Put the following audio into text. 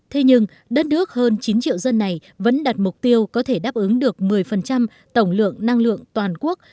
thế nhưng đất nước hơn chín triệu dân này vẫn đặt mục tiêu có thể đáp ứng được một mươi tổng lượng năng lượng toàn quốc